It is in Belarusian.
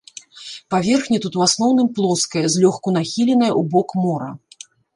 Паверхня тут у асноўным плоская, злёгку нахіленая ў бок мора.